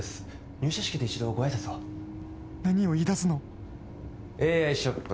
入社式で一度ご挨拶を何を言いだすのＡＩショップ